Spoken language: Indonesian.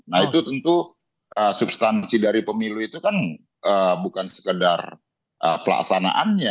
nah itu tentu substansi dari pemilu itu kan bukan sekedar pelaksanaannya